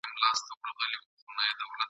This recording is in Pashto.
هېري څرنگه د میني ورځی شپې سي !.